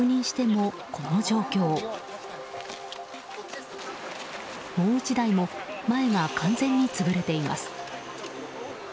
もう１台も前が完全に潰れています。